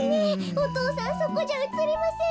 お父さんそこじゃうつりませんよ。